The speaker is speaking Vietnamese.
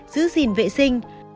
giữ gìn vệ sinh